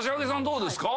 どうですか？